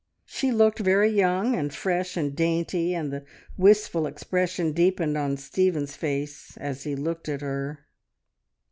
She looked very young and fresh and dainty, and the wistful expression deepened on Stephen's face as he looked at her.